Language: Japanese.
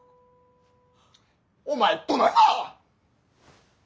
お前どなるな！